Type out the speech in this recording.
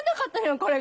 これが。